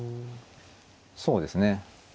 そうですね